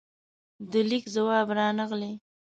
د لیک ځواب رانغلې